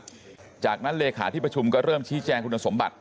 หลังจากนั้นเลขาที่ประชุมก็เริ่มชี้แจงคุณสมบัติ